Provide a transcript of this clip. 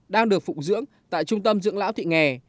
đang được phụng dưỡng tại trung tâm dưỡng lão thị nghề